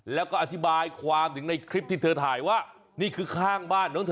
แล้วก็อธิบายความถึงในคลิปที่เธอถ่ายว่านี่คือข้างบ้านของเธอ